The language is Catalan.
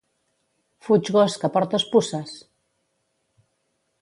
Fuig gos, que portes puces!